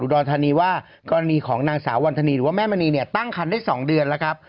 รธานีว่ากรณีของนางสาววันธนีหรือว่าแม่มณีเนี่ยตั้งคันได้๒เดือนแล้วครับ